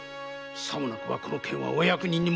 さもなくばこの件はお役人に申し上げる。